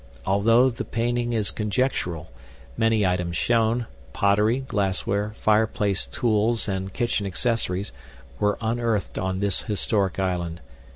ALTHOUGH THE PAINTING IS CONJECTURAL, MANY ITEMS SHOWN POTTERY, GLASSWARE, FIREPLACE TOOLS, AND KITCHEN ACCESSORIES WERE UNEARTHED ON THIS HISTORIC ISLAND.